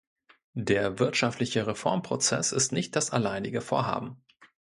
Der wirtschaftliche Reformprozess ist nicht das alleinige Vorhaben.